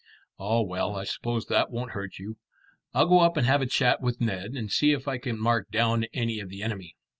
"Ah, well, I suppose that won't hurt you. I'll go up and have a chat with Ned, and see if I can mark down any of the enemy."